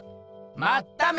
まっため！